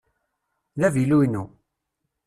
D avilu-inu.